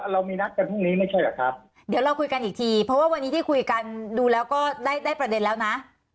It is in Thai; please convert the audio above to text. เรามีนัดกันพรุ่งนี้ไม่ใช่เหรอครับเดี๋ยวเราคุยกันอีกทีเพราะว่าวันนี้ที่คุยกันดูแล้วก็ได้ได้ประเด็นแล้วนะ